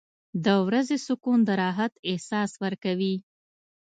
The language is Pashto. • د ورځې سکون د راحت احساس ورکوي.